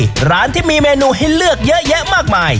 มีร้านที่มีเมนูให้เลือกเยอะแยะมากมาย